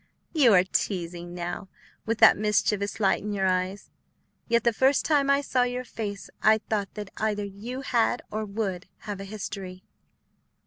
"You are teasing now, with that mischievous light in your eyes. Yet the first time I saw your face I thought that either you had or would have a history."